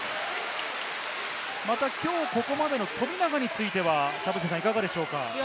また、きょうここまでの富永についてはいかがでしょうか？